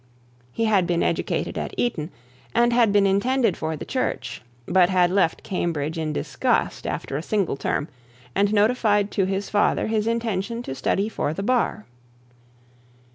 He had been educated at Eton, and had been intended for the Church, but had left Cambridge in disgust after a single term, and notified to his father his intention to study for the bar.